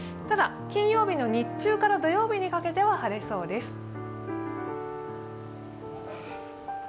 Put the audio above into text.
ただ、金曜日の日中から土曜日にかけては晴れそうです。